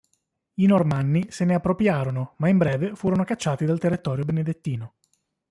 I Normanni, se ne appropriarono, ma in breve, furono cacciati dal territorio benedettino.